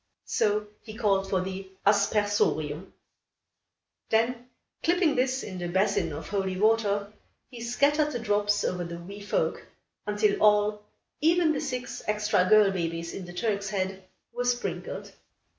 So he called for the "aspersorium." Then, clipping this in the basin of holy water, he scattered the drops over the wee folk, until all, even the six extra girl babies in the Turk's Head, were sprinkled.